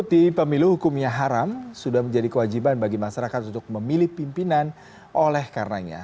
mengikuti pemilu hukumnya haram sudah menjadi kewajiban bagi masyarakat untuk memilih pimpinan oleh karenanya